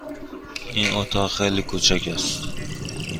این اتاق خیلی کوچک است.